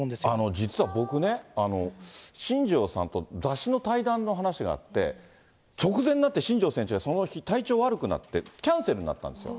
実は僕ね、新庄さんと雑誌の対談の話があって、直前になって新庄さんが、その日、体調悪くなってキャンセルになったんですよ。